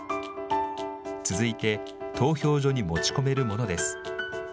続いて、投票所に持ち込めるものです。